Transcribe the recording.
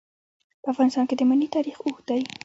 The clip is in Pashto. په افغانستان کې د منی تاریخ اوږد دی.